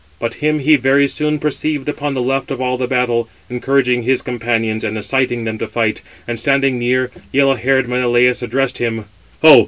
But him he very soon perceived upon the left of all the battle, encouraging his companions, and inciting them to fight; and standing near, yellow haired Menelaus addressed [him]: "Ho!